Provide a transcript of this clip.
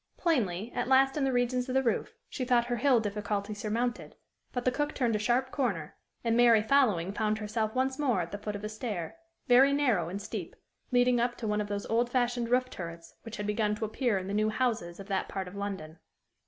Plainly at last in the regions of the roof, she thought her hill Difficulty surmounted, but the cook turned a sharp corner, and Mary following found herself once more at the foot of a stair very narrow and steep, leading up to one of those old fashioned roof turrets which had begun to appear in the new houses of that part of London.